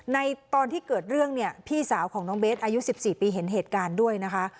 ตอนที่เกิดเรื่องเนี่ยพี่สาวของน้องเบสอายุ๑๔ปีเห็นเหตุการณ์ด้วยนะคะ